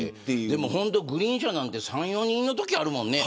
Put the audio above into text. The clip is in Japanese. でも本当グリーン車なんて３、４人のときあるもんね。